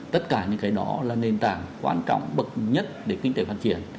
tất cả những cái đó là nền tảng quan trọng bậc nhất để kinh tế phát triển